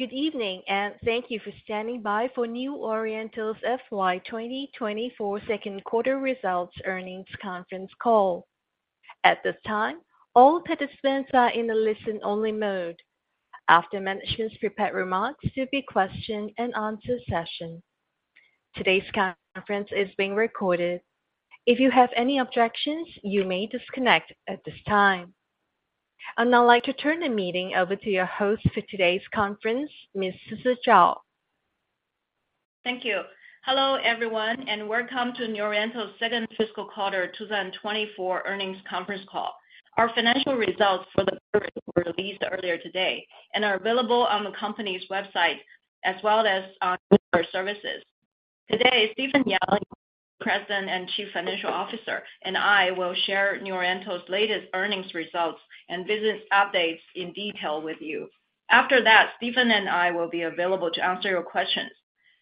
Good evening, and thank you for standing by for New Oriental's FY 2024 second quarter results earnings conference call. At this time, all participants are in a listen-only mode. After management's prepared remarks, there'll be question and answer session. Today's conference is being recorded. If you have any objections, you may disconnect at this time. I'd now like to turn the meeting over to your host for today's conference, Ms. Sisi Zhao. Thank you. Hello, everyone, and welcome to New Oriental's second fiscal quarter 2024 earnings conference call. Our financial results for the quarter were released earlier today and are available on the company's website as well as on our services. Today, Stephen Yang, President and Chief Financial Officer, and I will share New Oriental's latest earnings results and business updates in detail with you. After that, Stephen and I will be available to answer your questions.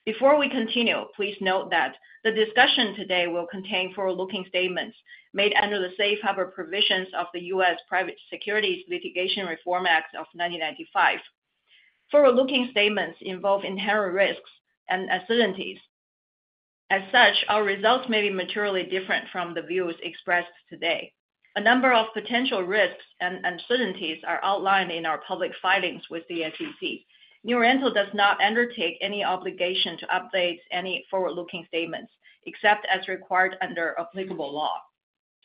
Before we continue, please note that the discussion today will contain forward-looking statements made under the safe harbor provisions of the U.S. Private Securities Litigation Reform Act of 1995. Forward-looking statements involve inherent risks and uncertainties. As such, our results may be materially different from the views expressed today. A number of potential risks and uncertainties are outlined in our public filings with the SEC. New Oriental does not undertake any obligation to update any forward-looking statements, except as required under applicable law.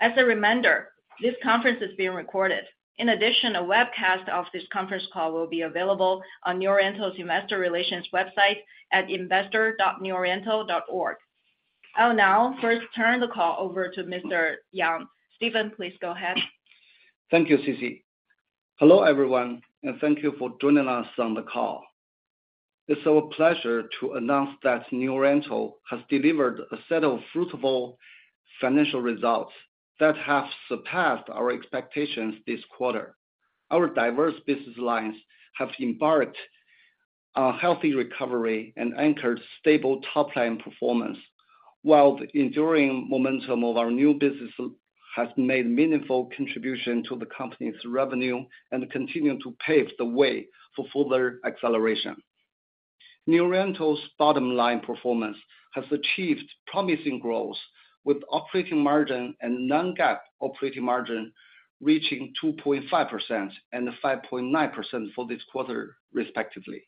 As a reminder, this conference is being recorded. In addition, a webcast of this conference call will be available on New Oriental's investor relations website at investor.neworiental.org. I'll now first turn the call over to Mr. Yang. Stephen, please go ahead. Thank you, Sisi. Hello, everyone, and thank you for joining us on the call. It's our pleasure to announce that New Oriental has delivered a set of fruitful financial results that have surpassed our expectations this quarter. Our diverse business lines have embarked on a healthy recovery and anchored stable top-line performance, while the enduring momentum of our new business has made meaningful contribution to the company's revenue and continue to pave the way for further acceleration. New Oriental's bottom-line performance has achieved promising growth, with operating margin and non-GAAP operating margin reaching 2.5% and 5.9% for this quarter, respectively.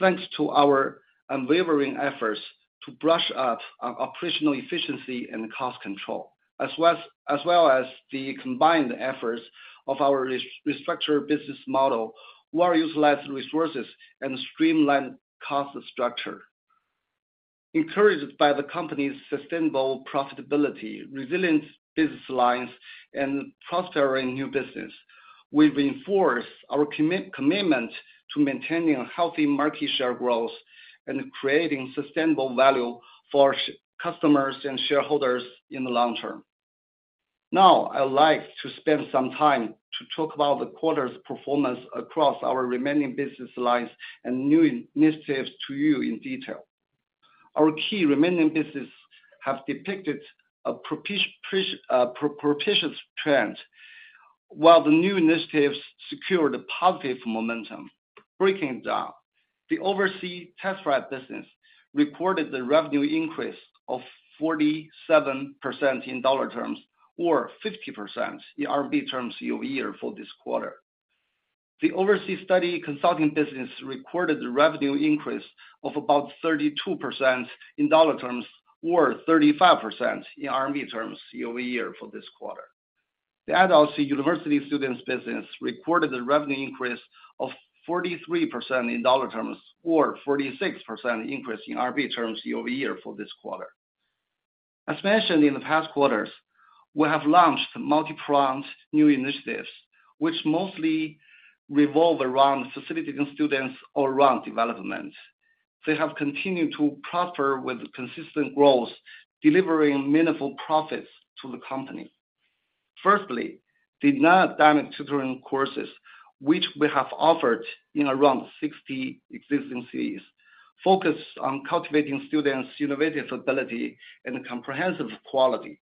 Thanks to our unwavering efforts to brush up on operational efficiency and cost control, as well as the combined efforts of our restructured business model, more utilized resources, and streamlined cost structure. Encouraged by the company's sustainable profitability, resilient business lines, and prospering new business, we've reinforced our commitment to maintaining a healthy market share growth and creating sustainable value for customers and shareholders in the long term. Now, I'd like to spend some time to talk about the quarter's performance across our remaining business lines and new initiatives to you in detail. Our key remaining business have depicted a propitious trend, while the new initiatives secured a positive momentum. Breaking it down, the overseas test prep business recorded the revenue increase of 47% in dollar terms, or 50% in RMB terms year over year for this quarter. The overseas study consulting business recorded a revenue increase of about 32% in dollar terms, or 35% in RMB terms year over year for this quarter. The adults and university students business recorded a revenue increase of 43% in dollar terms, or 46% increase in RMB terms year-over-year for this quarter. As mentioned in the past quarters, we have launched multi-pronged new initiatives, which mostly revolve around facilitating students' all-round development. They have continued to prosper with consistent growth, delivering meaningful profits to the company. Firstly, the nine- tutoring courses, which we have offered in around 60 existing cities, focus on cultivating students' innovative ability and comprehensive quality.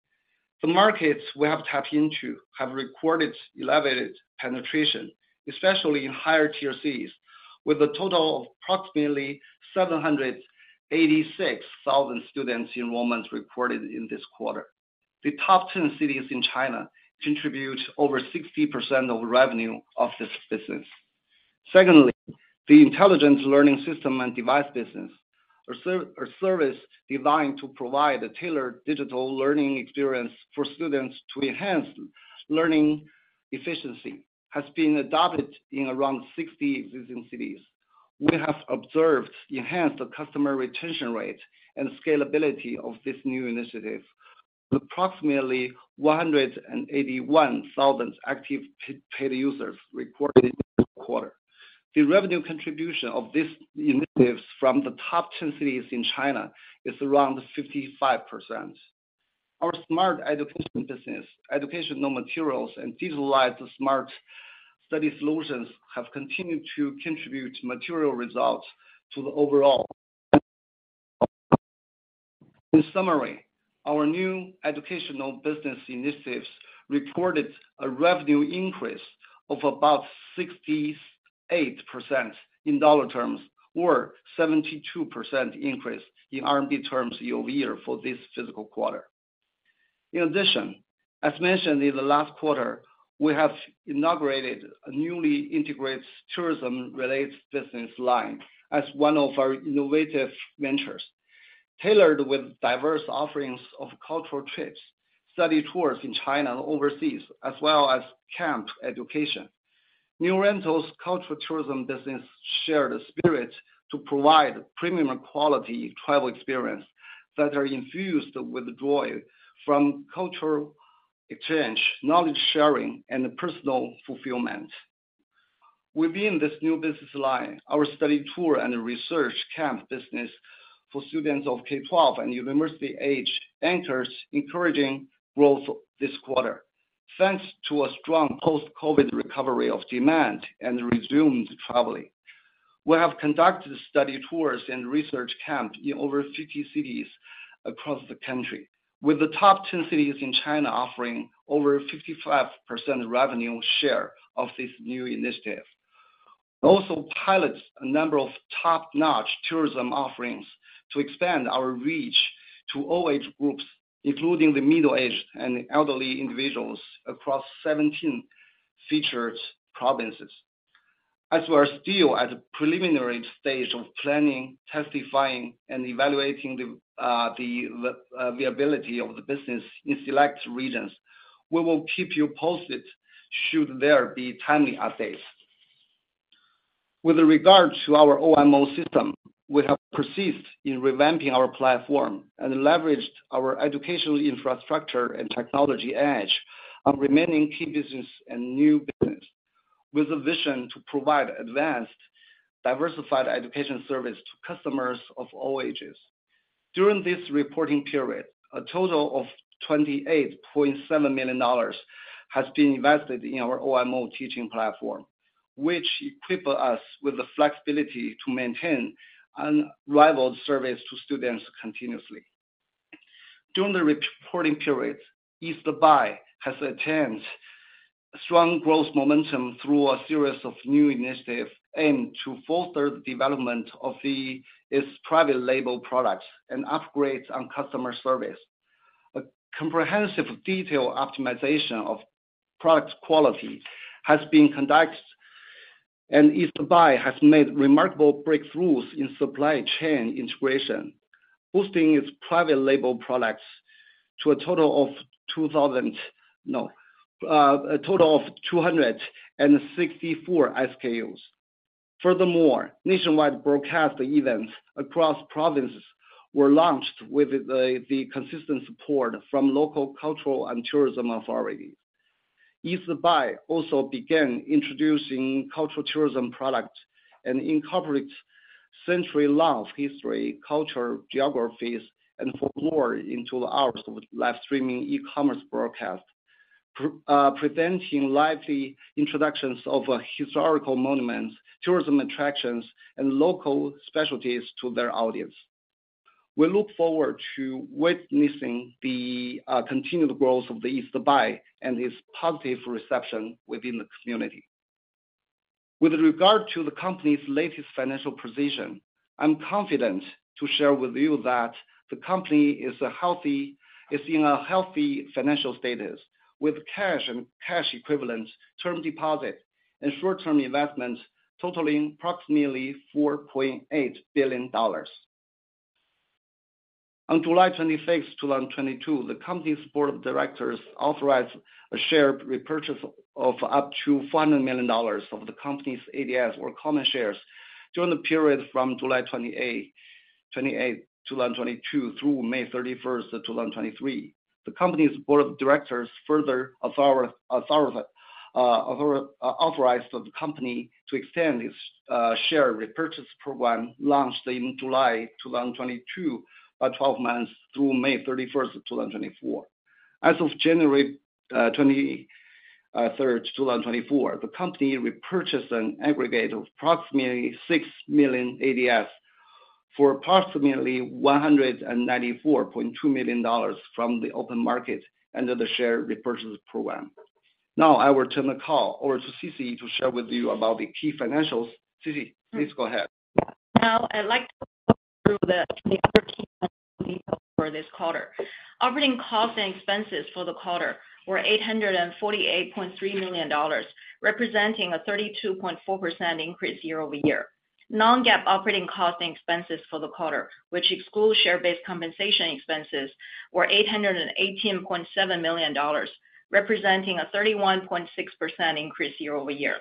The markets we have tapped into have recorded elevated penetration, especially in higher-tier cities, with a total of approximately 786,000 students enrollments recorded in this quarter. The top 10 cities in China contribute over 60% of revenue of this business. Secondly, the intelligent learning system and device business, a service designed to provide a tailored digital learning experience for students to enhance learning efficiency, has been adopted in around 60 existing cities. We have observed enhanced customer retention rate and scalability of this new initiative, with approximately 181,000 active paid users recorded this quarter. The revenue contribution of these initiatives from the top 10 cities in China is around 55%. Our smart education business, educational materials, and digitalized smart study solutions have continued to contribute material results to the overall. In summary, our new educational business initiatives reported a revenue increase of about 68% in dollar terms, or 72% increase in RMB terms year-over-year for this fiscal quarter. In addition, as mentioned in the last quarter, we have inaugurated a newly integrated tourism-related business line as one of our innovative ventures, tailored with diverse offerings of cultural trips, study tours in China and overseas, as well as camp education. New Oriental's cultural tourism business shares a spirit to provide premium quality travel experience that are infused with joy from cultural exchange, knowledge sharing, and personal fulfillment. Within this new business line, our study tour and research camp business for students of K-12 and university-age enters encouraging growth this quarter, thanks to a strong post-COVID recovery of demand and resumed traveling. We have conducted study tours and research camp in over 50 cities across the country, with the top 10 cities in China offering over 55% revenue share of this new initiative. Also pilots a number of top-notch tourism offerings to expand our reach to all age groups, including the middle-aged and elderly individuals across 17 featured provinces. As we are still at a preliminary stage of planning, testing, and evaluating the viability of the business in select regions, we will keep you posted should there be timely updates. With regard to our OMO system, we have persisted in revamping our platform and leveraged our educational infrastructure and technology edge on remaining key business and new business, with a vision to provide advanced, diversified education service to customers of all ages. During this reporting period, a total of $28.7 million has been invested in our OMO teaching platform, which equip us with the flexibility to maintain unrivaled service to students continuously. During the reporting period, East Buy has attained strong growth momentum through a series of new initiatives aimed to foster the development of its private label products and upgrades on customer service. A comprehensive detail optimization of product quality has been conducted, and East Buy has made remarkable breakthroughs in supply chain integration, boosting its private label products to a total of 264 SKUs. Furthermore, nationwide broadcast events across provinces were launched with the consistent support from local cultural and tourism authorities. East Buy also began introducing cultural tourism products and incorporates century-long history, culture, geographies, and folklore into hours of live streaming e-commerce broadcast, presenting lively introductions of historical monuments, tourism attractions, and local specialties to their audience. We look forward to witnessing the continued growth of the East Buy and its positive reception within the community. With regard to the company's latest financial position, I'm confident to share with you that the company is a healthy, is in a healthy financial status, with cash and cash equivalents, term deposits, and short-term investments totaling approximately $4.8 billion. On July 26th, 2022, the company's board of directors authorized a share repurchase of up to $500 million of the company's ADS or common shares during the period from July 28th, 2022, through May 31st, 2023. The company's board of directors further authorized the company to extend its share repurchase program, launched in July 2022, by 12 months through May 31st, 2024. As of January 23rd, 2024, the company repurchased an aggregate of approximately 6 million ADS for approximately $194.2 million from the open market under the share repurchase program. Now, I will turn the call over to Sisi to share with you about the key financials. Sisi, please go ahead. Now, I'd like to go through the details for this quarter. Operating costs and expenses for the quarter were $848.3 million, representing a 32.4% increase year-over-year. Non-GAAP operating costs and expenses for the quarter, which excludes share-based compensation expenses, were $818.7 million, representing a 31.6% increase year-over-year.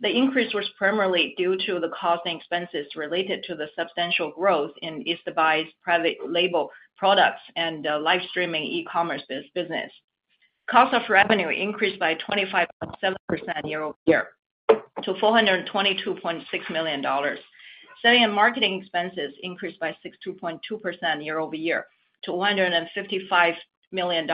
The increase was primarily due to the costs and expenses related to the substantial growth in East Buy's private label products and live streaming e-commerce business. Cost of revenue increased by 25.7% year-over-year to $422.6 million. Selling and marketing expenses increased by 62.2% year-over-year to $155 million.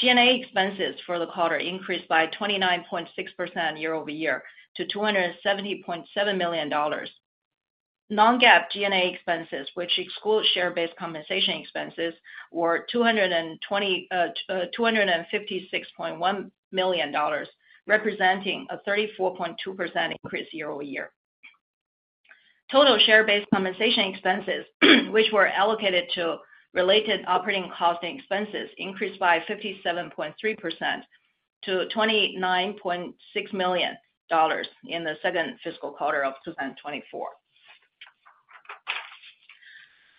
SG&A expenses for the quarter increased by 29.6% year-over-year to $270.7 million. Non-GAAP SG&A expenses, which exclude share-based compensation expenses, were $256.1 million, representing a 34.2% increase year-over-year. Total share-based compensation expenses, which were allocated to related operating costs and expenses, increased by 57.3% to $29.6 million in the second fiscal quarter of 2024.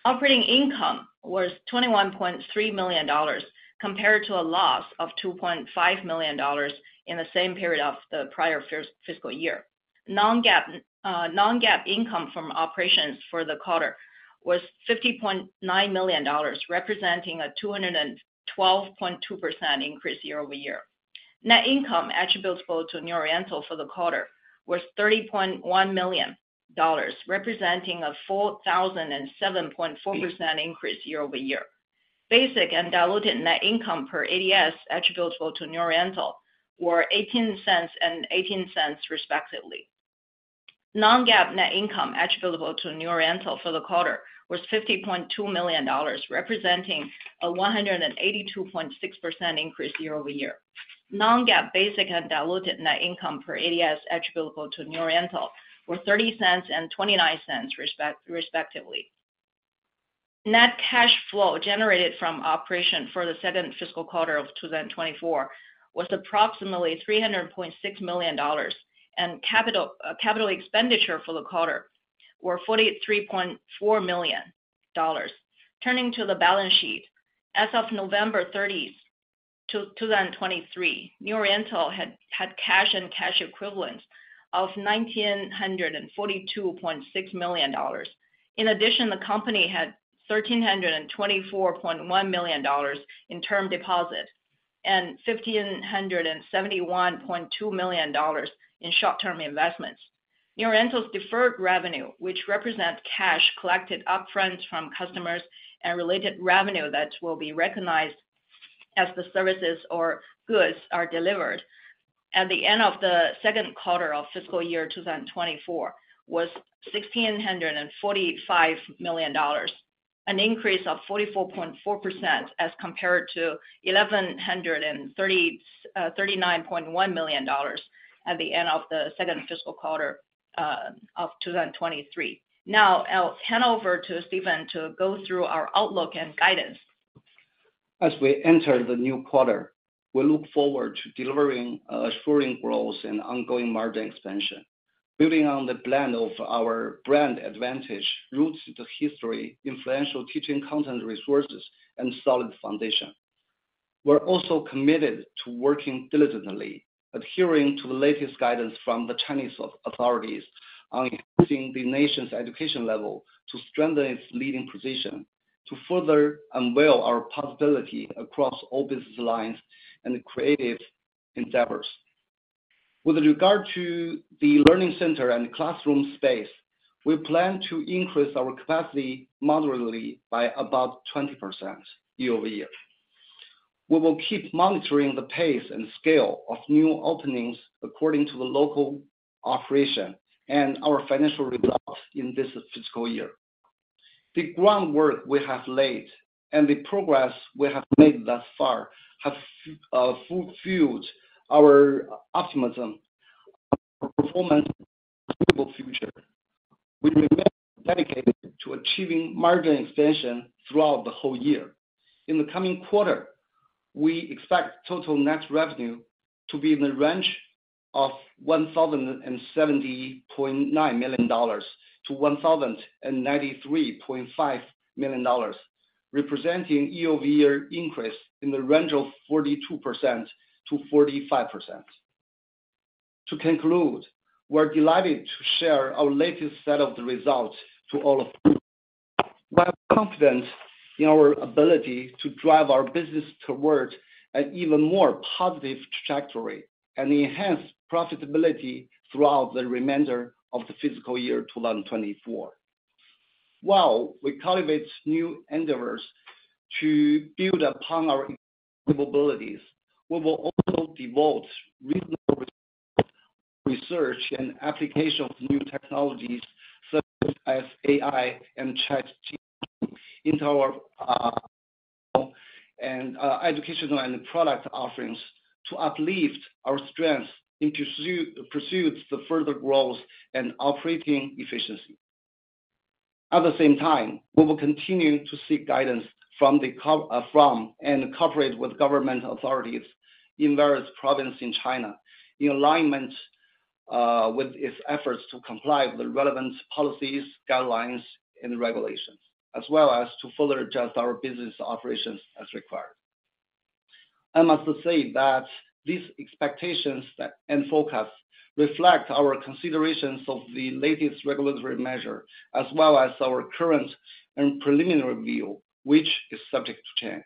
Operating income was $21.3 million, compared to a loss of $2.5 million in the same period of the prior fiscal year. Non-GAAP income from operations for the quarter was $50.9 million, representing a 212.2% increase year-over-year. Net income attributable to New Oriental for the quarter was $30.1 million, representing a 4,007.4% increase year-over-year. Basic and diluted net income per ADS attributable to New Oriental were $0.18 and $0.18, respectively. Non-GAAP net income attributable to New Oriental for the quarter was $50.2 million, representing a 182.6% increase year-over-year. Non-GAAP basic and diluted net income per ADS attributable to New Oriental were $0.30 and $0.29, respectively. Net cash flow generated from operation for the second fiscal quarter of 2024 was approximately $300.6 million, and capital expenditure for the quarter were $43.4 million. Turning to the balance sheet. As of November 30th, 2023, New Oriental had cash and cash equivalents of $1,942.6 million. In addition, the company had $1,324.1 million in term deposits and $1,571.2 million in short-term investments. New Oriental's deferred revenue, which represents cash collected upfront from customers and related revenue that will be recognized as the services or goods are delivered, at the end of the second quarter of fiscal year 2024, was $1,645 million, an increase of 44.4% as compared to $1,139.1 million at the end of the second fiscal quarter of 2023. Now I'll hand over to Stephen to go through our outlook and guidance. As we enter the new quarter, we look forward to delivering assuring growth and ongoing margin expansion, building on the plan of our brand advantage, roots to history, influential teaching content resources, and solid foundation. We're also committed to working diligently, adhering to the latest guidance from the Chinese authorities on increasing the nation's education level to strengthen its leading position, to further unveil our possibility across all business lines and creative endeavors. With regard to the learning center and classroom space, we plan to increase our capacity moderately by about 20% year-over-year. We will keep monitoring the pace and scale of new openings according to the local operation and our financial results in this fiscal year. The groundwork we have laid and the progress we have made thus far have fulfilled our optimism, our performance future. We remain dedicated to achieving margin expansion throughout the whole year. In the coming quarter, we expect total net revenue to be in the range of $1,070.9 million-$1,093.5 million, representing year-over-year increase in the range of 42%-45%. To conclude, we're delighted to share our latest set of the results to all of you. We have confidence in our ability to drive our business towards an even more positive trajectory and enhance profitability throughout the remainder of the fiscal year 2024. While we cultivate new endeavors to build upon our capabilities, we will also devote reasonable research and application of new technologies such as AI and ChatGPT into our educational and product offerings to uplift our strength in pursuit of the further growth and operating efficiency. At the same time, we will continue to seek guidance from and cooperate with government authorities in various provinces in China, in alignment with its efforts to comply with the relevant policies, guidelines, and regulations, as well as to further adjust our business operations as required. I must say that these expectations and forecasts reflect our considerations of the latest regulatory measure, as well as our current and preliminary view, which is subject to change.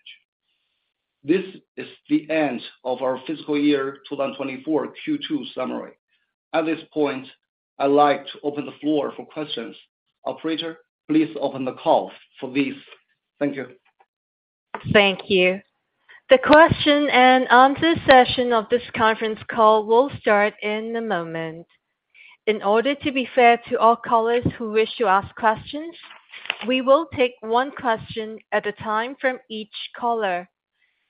This is the end of our fiscal year 2024 Q2 summary. At this point, I'd like to open the floor for questions. Operator, please open the calls for this. Thank you. Thank you. The question and answer session of this conference call will start in a moment. In order to be fair to all callers who wish to ask questions, we will take one question at a time from each caller.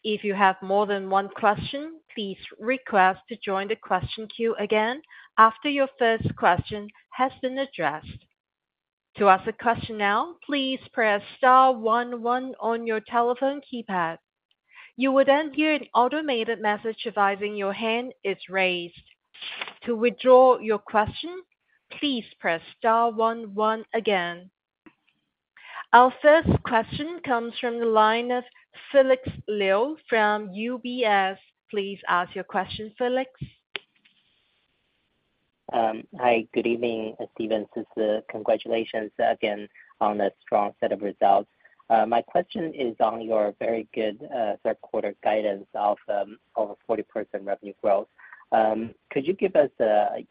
If you have more than one question, please request to join the question queue again, after your first question has been addressed. To ask a question now, please press star one one on your telephone keypad. You will then hear an automated message advising your hand is raised. To withdraw your question, please press star one one again. Our first question comes from the line of Felix Liu from UBS. Please ask your question, Felix. Hi, good evening, Stephen, Sisi. Congratulations again on a strong set of results. My question is on your very good third quarter guidance of over 40% revenue growth. Could you give us,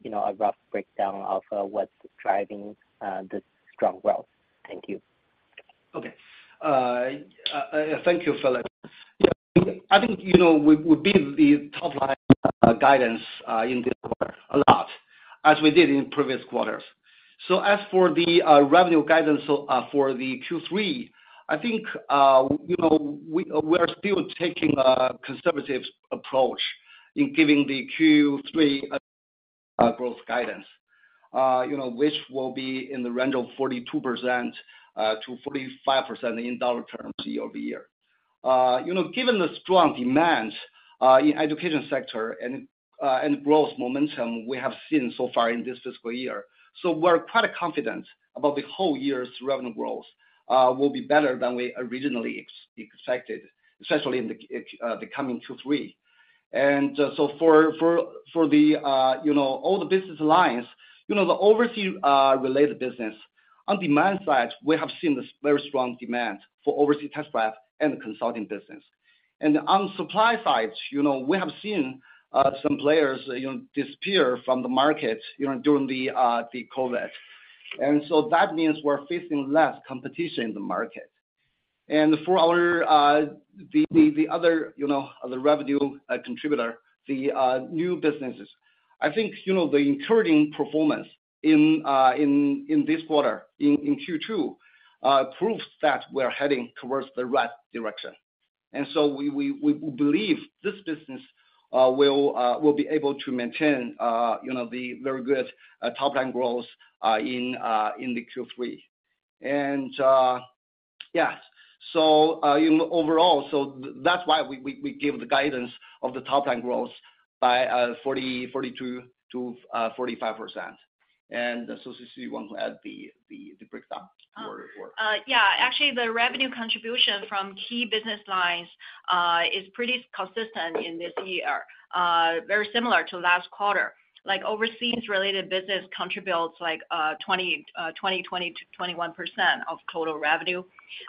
you know, a rough breakdown of what's driving this strong growth? Thank you. Okay. Thank you, Felix. Yeah, I think, you know, we beat the top-line guidance in this quarter a lot, as we did in previous quarters. So as for the revenue guidance, for the Q3, I think, you know, we are still taking a conservative approach in giving the Q3 growth guidance, you know, which will be in the range of 42%-45% in dollar terms year-over-year. You know, given the strong demand in education sector and growth momentum we have seen so far in this fiscal year, so we're quite confident about the whole year's revenue growth will be better than we originally expected, especially in the coming Q3. And so for the, you know, all the business lines, you know, the overseas related business, on demand side, we have seen this very strong demand for overseas test prep and consulting business. And on supply sides, you know, we have seen some players, you know, disappear from the market, you know, during the COVID. And so that means we're facing less competition in the market. And for our, the other, you know, the revenue contributor, the new businesses, I think, you know, the encouraging performance in this quarter, in Q2, proves that we're heading towards the right direction. And so we believe this business will be able to maintain, you know, the very good top-line growth in the Q3. Yes, so, you know, overall, so that's why we give the guidance of the top-line growth by 42%-45%. And so Sisi, you want to add the breakdown for- Yeah, actually, the revenue contribution from key business lines is pretty consistent in this year, very similar to last quarter. Like, overseas related business contributes, like, 20%-21% of total revenue.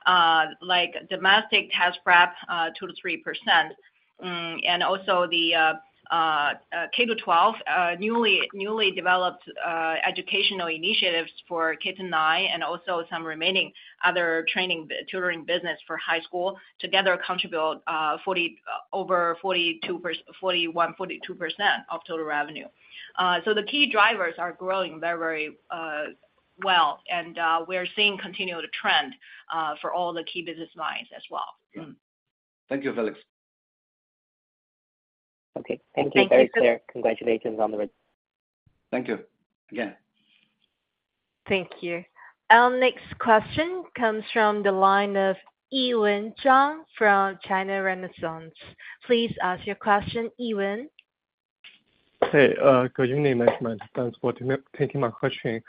Like, domestic test prep, 2%-3%. And also the K-12 newly developed educational initiatives for kids, and also some remaining other training, tutoring business for high school, together contribute over 41%-42% of total revenue. So the key drivers are growing very well, and we're seeing continued trend for all the key business lines as well. Thank you, Felix. Okay, thank you. Thank you. Very clear. Congratulations on the work. Thank you again. Thank you. Our next question comes from the line of Yiwen Zhang from China Renaissance. Please ask your question, Yiwen. Hey, good evening, management. Thanks for taking my question.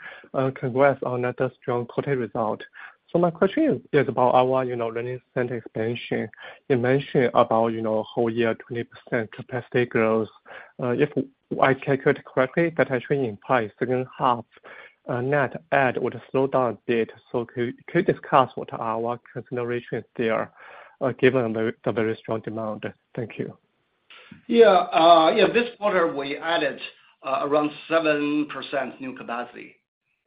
Congrats on another strong quarter result. So my question is about our, you know, learning center expansion. You mentioned about, you know, whole year, 20% capacity growth. If I calculate correctly, that actually implies second half, net add would slow down a bit. So could, could you discuss what are our considerations there, given the, the very strong demand? Thank you. Yeah, yeah, this quarter we added around 7% new capacity.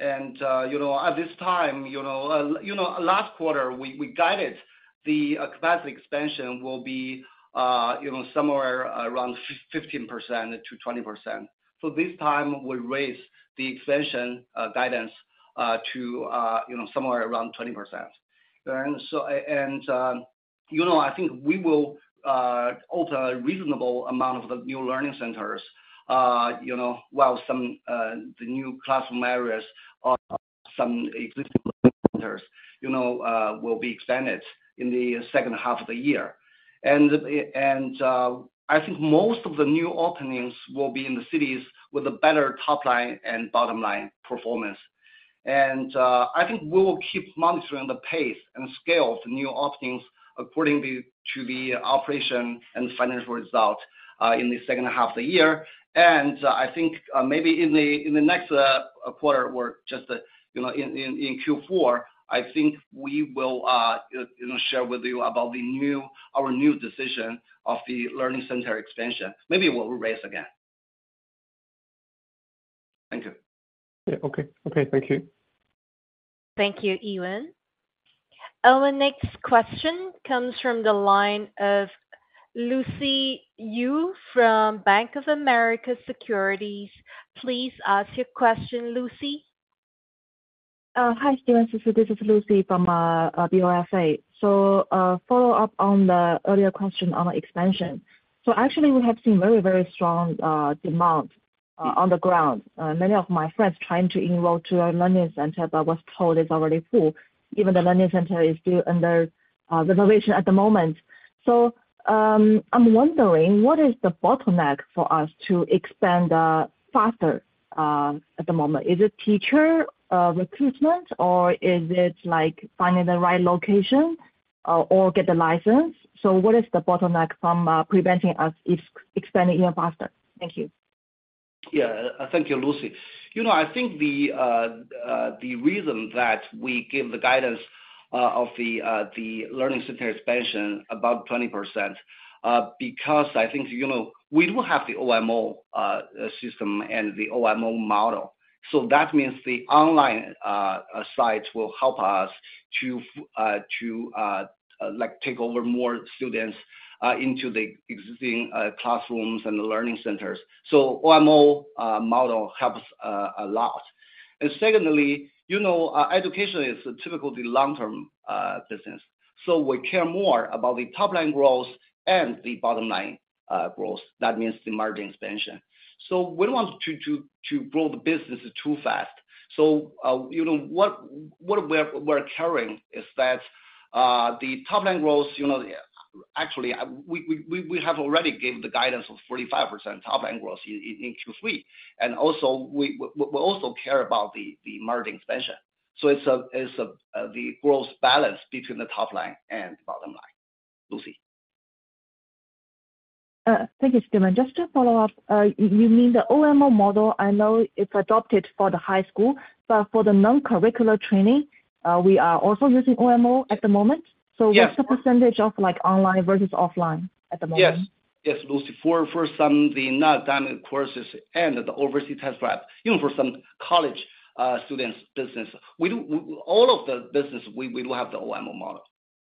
And you know, at this time, you know, you know, last quarter, we guided the capacity expansion will be you know, somewhere around 15%-20%. So this time we raised the expansion guidance to you know, somewhere around 20%. And so, you know, I think we will open a reasonable amount of the new learning centers, you know, while some the new classroom areas or some existing centers, you know, will be expanded in the second half of the year. And I think most of the new openings will be in the cities with a better top line and bottom line performance. I think we will keep monitoring the pace and scale of the new openings according to the operation and financial results in the second half of the year. I think maybe in the next quarter or just you know in Q4, I think we will you know share with you about the new—our new decision of the learning center expansion. Maybe we'll raise again. Thank you. Yeah. Okay. Okay, thank you. Thank you, Ewan. Our next question comes from the line of Lucy Yu from Bank of America Securities. Please ask your question, Lucy. Hi, Stephen. This is Lucy from BofA. So, follow up on the earlier question on expansion. So actually we have seen very, very strong demand on the ground. Many of my friends trying to enroll to our learning center, but was told it's already full, even the learning center is still under renovation at the moment. So, I'm wondering, what is the bottleneck for us to expand faster at the moment? Is it teacher recruitment, or is it like finding the right location, or get the license? So what is the bottleneck from preventing us expanding even faster? Thank you. Yeah, thank you, Lucy. You know, I think the reason that we give the guidance of the learning center expansion about 20%, because I think, you know, we do have the OMO system and the OMO model. So that means the online sites will help us to like, take over more students into the existing classrooms and learning centers. So OMO model helps a lot. And secondly, you know, education is typically long-term business, so we care more about the top line growth and the bottom line growth. That means the margin expansion. So we don't want to grow the business too fast. So, you know, what we're carrying is that the top line growth, you know, actually, we have already given the guidance of 45% top line growth in Q3. And also, we also care about the margin expansion. So it's the growth balance between the top line and the bottom line, Lucy. Thank you, Stephen. Just to follow up, you mean the OMO model, I know it's adopted for the high school, but for the non-curricular training, we are also using OMO at the moment? Yes. So what's the percentage of, like, online versus offline at the moment? Yes. Yes, Lucy, for some of the non-academic courses and the overseas test prep, even for some college students business, we do all of the business, we do have the OMO model.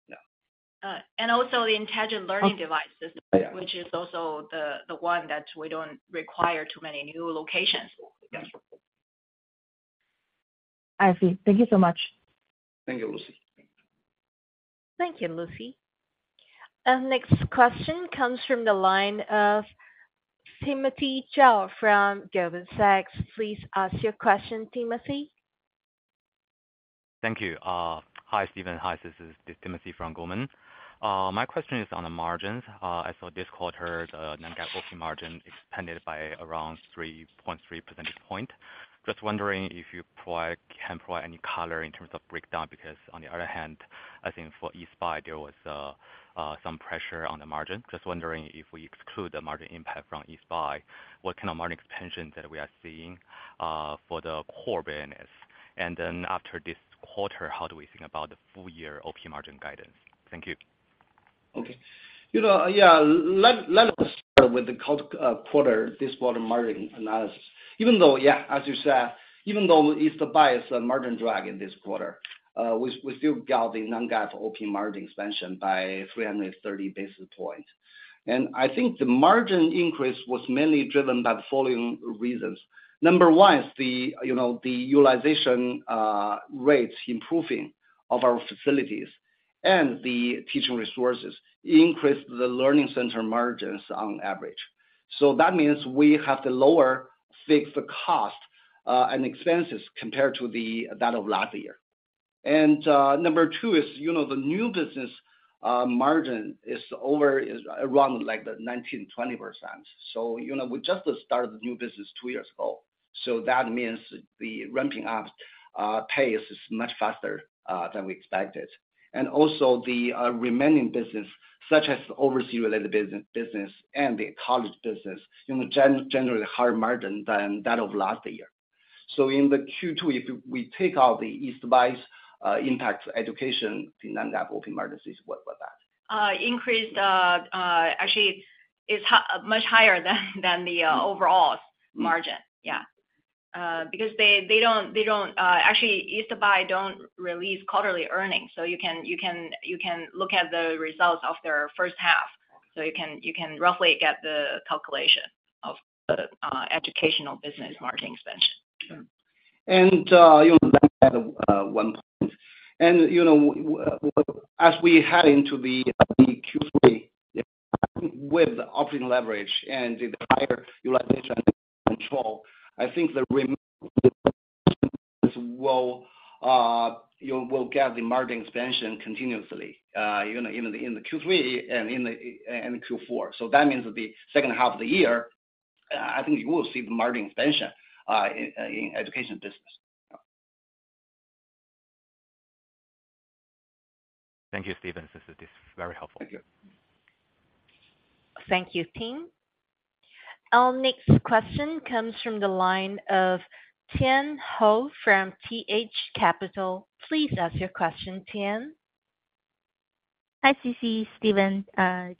Yeah. And also the intelligent learning devices- Yeah. - which is also the one that we don't require too many new locations. Yes. I see. Thank you so much. Thank you, Lucy. Thank you, Lucy. Next question comes from the line of Timothy Zhao from Goldman Sachs. Please ask your question, Timothy. Thank you. Hi, Stephen. Hi, this is Timothy from Goldman. My question is on the margins. I saw this quarter, the non-GAAP operating margin expanded by around 3.3 percentage point. Just wondering if you provide, can provide any color in terms of breakdown, because on the other hand, I think for East Buy, there was some pressure on the margin. Just wondering if we exclude the margin impact from East Buy, what kind of margin expansion that we are seeing for the core business? And then after this quarter, how do we think about the full year OP margin guidance? Thank you. Okay. You know, yeah, let us start with the quarter, this quarter margin analysis. Even though, yeah, as you said, even though East Buy is a margin drag in this quarter, we still got the non-GAAP OP margin expansion by 330 basis points. And I think the margin increase was mainly driven by the following reasons: number one, you know, the utilization rates improving of our facilities and the teaching resources increased the learning center margins on average. So that means we have to lower fixed cost and expenses compared to that of last year. And number two is, you know, the new business margin is over, is around like the 19%-20%. So, you know, we just started the new business two years ago, so that means the ramping up pace is much faster than we expected. And also the remaining business, such as the overseas-related business and the college business, you know, generally higher margin than that of last year. So in the Q2, if we take out the East Buy's impact to education, the non-GAAP margin is what was that? Increased, actually, it's much higher than the overall margin. Yeah. Because they don't actually East Buy don't release quarterly earnings, so you can look at the results of their first half. So you can roughly get the calculation of the educational business margin expansion. Sure. And, you know, as we head into the Q3 with the operating leverage and the higher utilization control, I think the remaining will, you know, will get the margin expansion continuously, you know, in the Q3 and in Q4. So that means that the second half of the year, I think you will see the margin expansion in education business. Thank you, Stephen. This is, this is very helpful. Thank you. Thank you, Tim. Our next question comes from the line of Tian Hou from T.H. Capital. Please ask your question, Tian. Hi, Sisi, Stephen,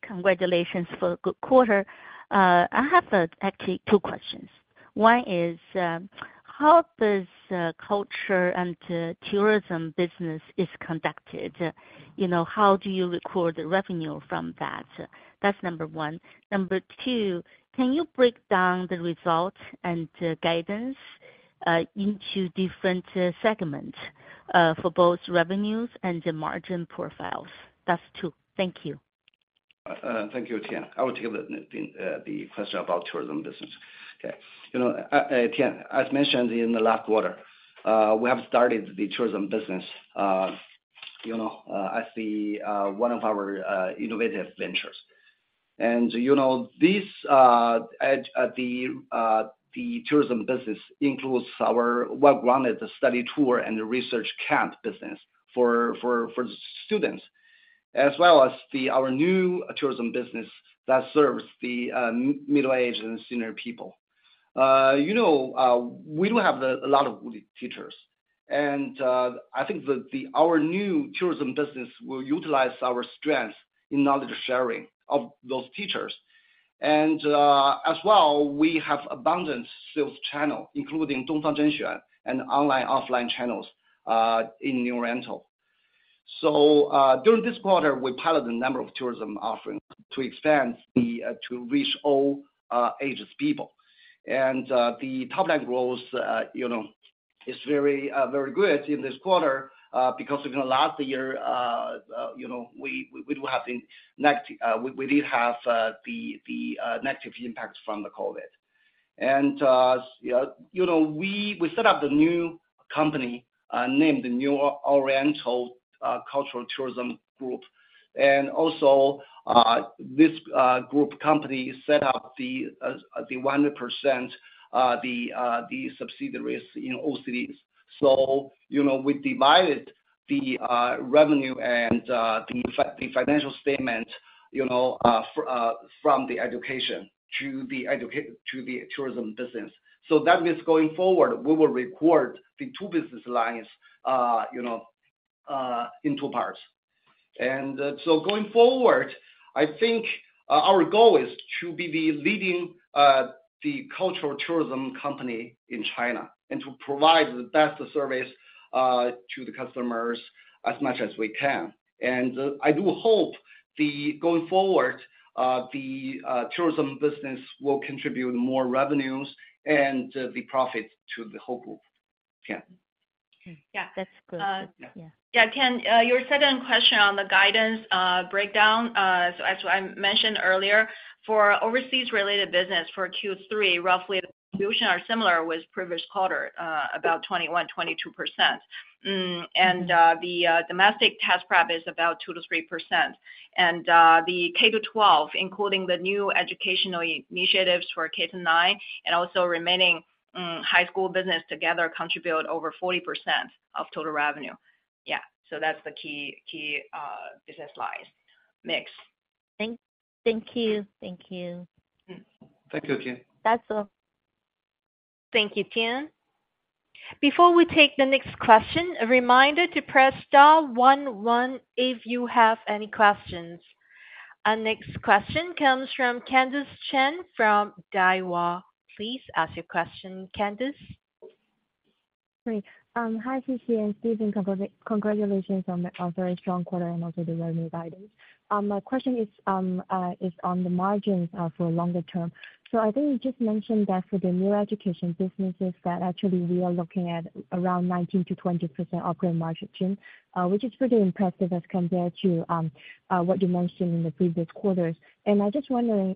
congratulations for a good quarter. I have actually two questions. One is, how does culture and tourism business is conducted? You know, how do you record the revenue from that? That's number one. Number two, can you break down the results and guidance into different segments for both revenues and the margin profiles? That's two. Thank you. Thank you, Tian. I will take the question about tourism business. Okay. You know, Tian, as mentioned in the last quarter, we have started the tourism business, you know, as the one of our innovative ventures. And you know, this tourism business includes our well-grounded study tour and the research camp business for the students, as well as our new tourism business that serves the middle-aged and senior people. You know, we do have a lot of good teachers, and I think our new tourism business will utilize our strength in knowledge sharing of those teachers. And as well, we have abundant sales channel, including..., and online/offline channels in New Oriental. So, during this quarter, we piloted a number of tourism offerings to expand the, to reach all, ages people. And, the top-line growth, you know, is very, very good in this quarter, because, you know, last year, you know, we, we do have the neg-- we, we did have, the, the, negative impact from the COVID. And, yeah, you know, we, we set up the new company, named the New Oriental Cultural Tourism Group. And also, this, group company set up the, the 100%, the, the subsidiaries in OCs. So, you know, we divided the, revenue and, the fi- the financial statement, you know, f- from the education to the educa- to the tourism business. So that means going forward, we will record the two business lines, you know, in two parts. And so going forward, I think our goal is to be the leading the cultural tourism company in China, and to provide the best service to the customers as much as we can. And I do hope the... going forward the tourism business will contribute more revenues and the profit to the whole group. Tian. Yeah. That's good. Uh- Yeah. Yeah, Tian, your second question on the guidance, breakdown. So as I mentioned earlier, for overseas-related business, for Q3, roughly the distribution are similar with previous quarter, about 21%-22%. And, the, domestic test prep is about 2%-3%. And, the K-12, including the new educational initiatives for K-9, and also remaining, high school business together, contribute over 40% of total revenue. Yeah, so that's the key, key, business-wise mix. Thank you. Thank you. Thank you, Tian. That's all. Thank you, Tian. Before we take the next question, a reminder to press star one one if you have any questions. Our next question comes from Candice Chen from Daiwa. Please ask your question, Candice. Great. Hi, Sisi and Stephen. Congratulations on a very strong quarter and also the revenue guidance. My question is on the margins for longer term. So I think you just mentioned that for the new education businesses, that actually we are looking at around 19%-20% operating margin, which is pretty impressive as compared to what you mentioned in the previous quarters. And I just wonder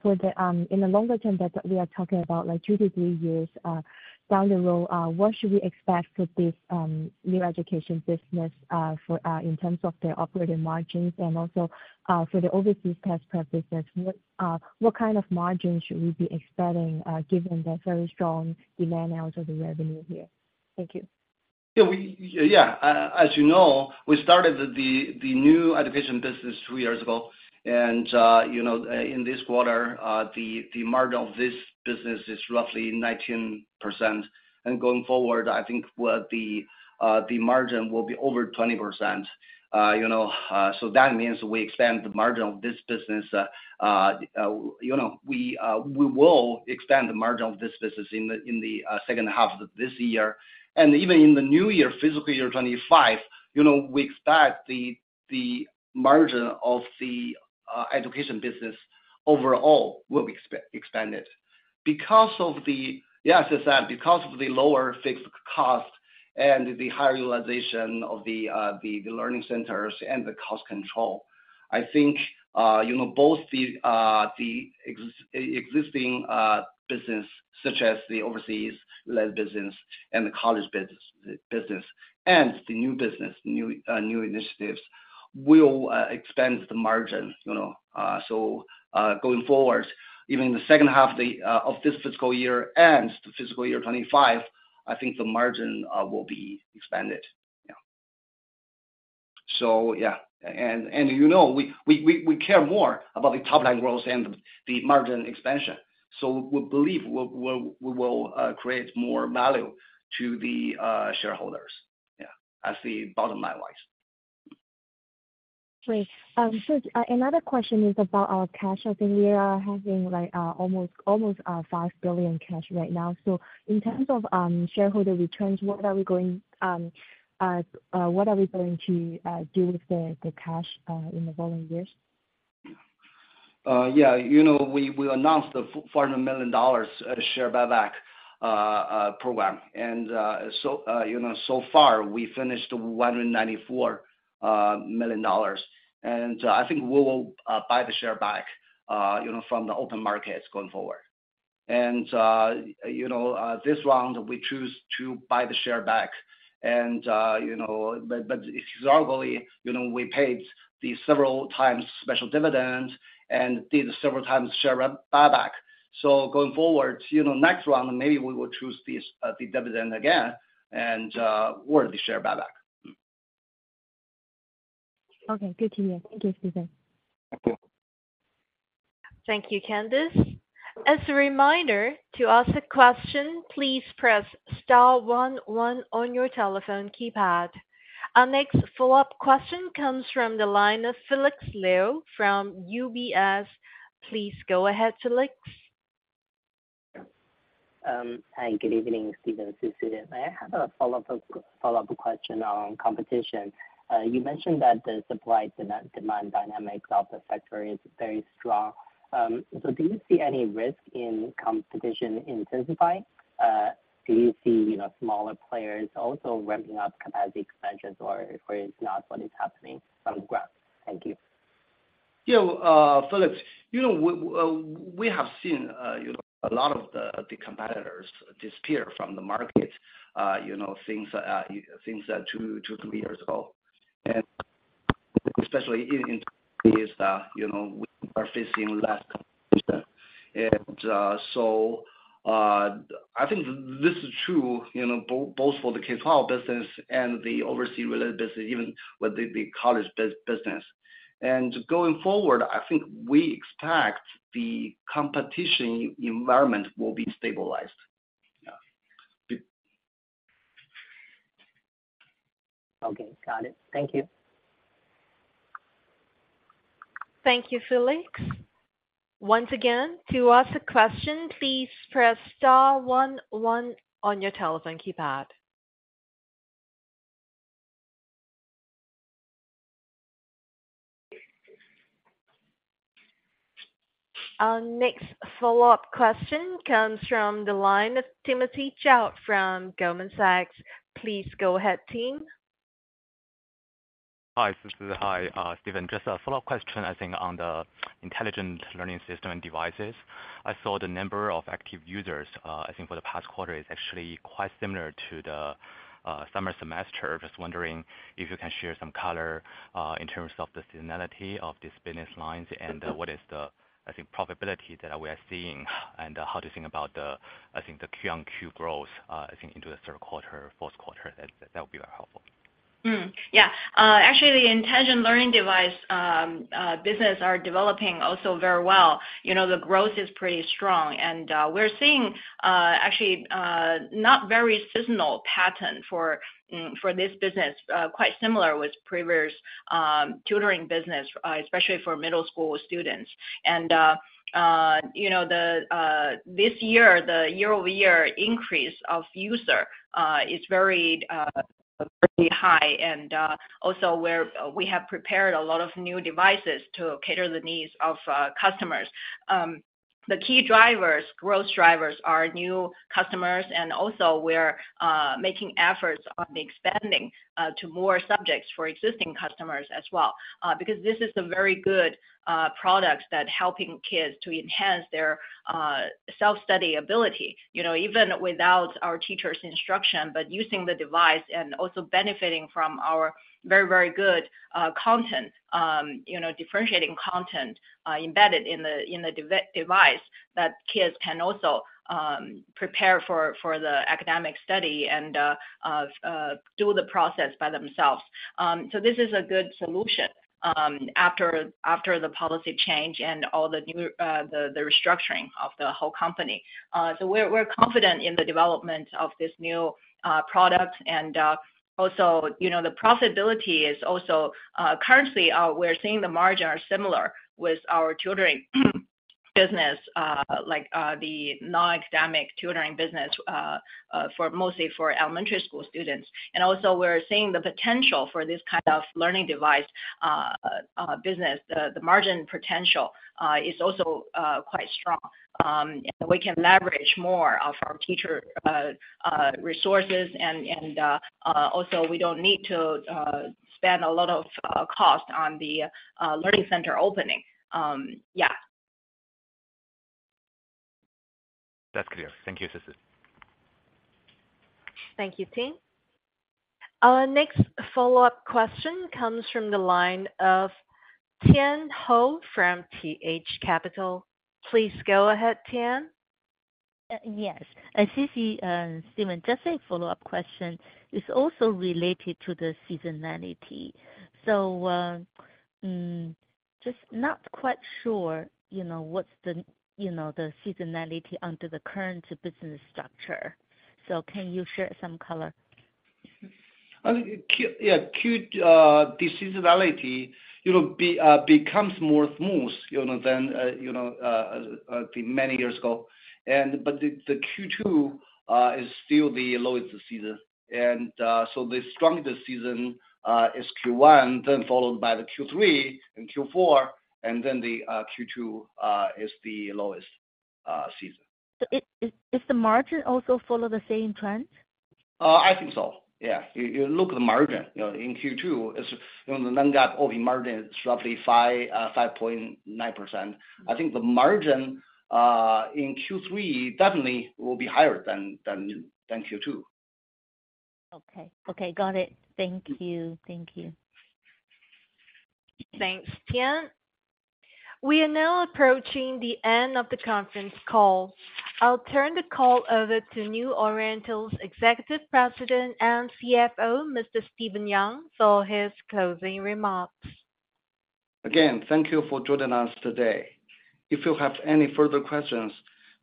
for the, in the longer term that we are talking about, like 2 years-3 years down the road, what should we expect with this new education business, for in terms of the operating margins? Also, for the overseas test prep business, what kind of margin should we be expecting, given the very strong demand out of the revenue here? Thank you. Yeah, as you know, we started the new education business two years ago. You know, in this quarter, the margin of this business is roughly 19%. And going forward, I think what the margin will be over 20%. You know, so that means we expand the margin of this business, you know, we will expand the margin of this business in the second half of this year. And even in the new year, fiscal year 2025, you know, we expect the margin of the education business overall will expanded. Because of the lower fixed cost and the higher utilization of the learning centers and the cost control, I think, you know, both the existing business, such as the overseas-led business and the college business and the new business, new initiatives, will expand the margin, you know. So, going forward, even the second half of this fiscal year and the fiscal year 2025, I think the margin will be expanded. Yeah. So yeah, and, you know, we care more about the top-line growth and the margin expansion. So we believe we will create more value to the shareholders. Yeah, that's the bottom line-wise. Great. So, another question is about our cash. I think we are having, like, almost $5 billion cash right now. So in terms of shareholder returns, what are we going to do with the cash in the following years? Yeah, you know, we announced the $400 million share buyback program. So far, we finished $194 million. I think we will buy the share back, you know, from the open markets going forward. You know, this round, we choose to buy the share back, you know, but historically, you know, we paid several times special dividends and did several times share buyback. So going forward, you know, next round, maybe we will choose the dividend again, or the share buyback. Okay. Good to hear. Thank you, Stephen. Thank you, Candice. As a reminder, to ask a question, please press star one one on your telephone keypad. Our next follow-up question comes from the line of Felix Liu from UBS. Please go ahead, Felix. Hi, good evening, Stephen, Sisi. I have a follow-up question on competition. You mentioned that the supply and demand dynamics of the factory is very strong. So do you see any risk in competition intensifying? Do you see, you know, smaller players also ramping up capacity expansions, or it's not what is happening on ground? Thank you. You know, Felix, you know, we, we have seen, you know, a lot of the, the competitors disappear from the market, you know, since, since, 2-3 years ago. And especially in, in this, you know, we are facing less competition. And, so, I think this is true, you know, both for the K-12 business and the overseas related business, even with the college business. And going forward, I think we expect the competition environment will be stabilized. Yeah. Okay, got it. Thank you. Thank you, Felix. Once again, to ask a question, please press star one one on your telephone keypad. Our next follow-up question comes from the line of Timothy Zhao from Goldman Sachs. Please go ahead, Tim. Hi, Sisi. Hi, Stephen. Just a follow-up question, I think on the intelligent learning system and devices. I saw the number of active users, I think for the past quarter is actually quite similar to the summer semester. Just wondering if you can share some color in terms of the seasonality of this business lines and what is the, I think, profitability that we are seeing, and how to think about the, I think the Q-on-Q growth, I think into the third quarter, fourth quarter, that, that would be very helpful. Yeah. Actually, the intelligent learning device business are developing also very well. You know, the growth is pretty strong, and we're seeing actually not very seasonal pattern for for this business, quite similar with previous tutoring business, especially for middle school students. And you know the this year, the year-over-year increase of user is very very high. And also we're we have prepared a lot of new devices to cater the needs of customers. The key drivers, growth drivers, are new customers, and also we're making efforts on expanding to more subjects for existing customers as well. Because this is a very good products that helping kids to enhance their self-study ability, you know, even without our teachers instruction, but using the device and also benefiting from our very, very good content, you know, differentiating content embedded in the device, that kids can also prepare for the academic study and do the process by themselves. So this is a good solution after the policy change and all the new the restructuring of the whole company. So we're confident in the development of this new product. And also, you know, the profitability is also... Currently, we're seeing the margin are similar with our tutoring business, like the non-academic tutoring business for mostly for elementary school students. And also we're seeing the potential for this kind of learning device business. The margin potential is also quite strong. And we can leverage more of our teacher resources and also we don't need to spend a lot of cost on the learning center opening. Yeah. That's clear. Thank you, Sisi. Thank you, Tim. Our next follow-up question comes from the line of Tian Hou from T.H. Capital. Please go ahead, Tian. Yes. Sisi and Stephen, just a follow-up question. It's also related to the seasonality. So, just not quite sure, you know, what's the, you know, the seasonality under the current business structure. So can you share some color? The seasonality, you know, becomes more smooth, you know, than many years ago. But the Q2 is still the lowest season. So the strongest season is Q1, then followed by the Q3 and Q4, and then the Q2 is the lowest season. So is the margin also follow the same trend? I think so. Yeah. If you look at the margin, you know, in Q2, it's, you know, the non-GAAP operating margin is roughly 5.9%. I think the margin in Q3 definitely will be higher than Q2. Okay. Okay, got it. Thank you. Thank you. Thanks, Tian. We are now approaching the end of the conference call. I'll turn the call over to New Oriental's Executive President and CFO, Mr. Stephen Yang, for his closing remarks. Again, thank you for joining us today. If you have any further questions,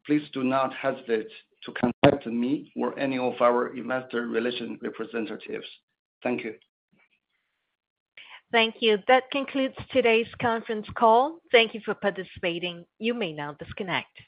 please do not hesitate to contact me or any of our investor relations representatives. Thank you. Thank you. That concludes today's conference call. Thank you for participating. You may now disconnect.